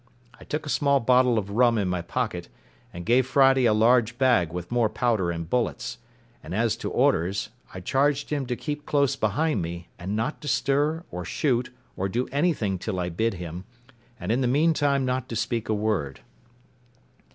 I took a small bottle of rum in my pocket, and gave Friday a large bag with more powder and bullets; and as to orders, I charged him to keep close behind me, and not to stir, or shoot, or do anything till I bid him, and in the meantime not to speak a word.